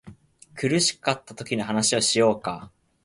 苦しかったときの話をしようか